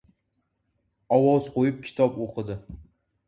Ovoz qo‘yib kitob o‘qidi.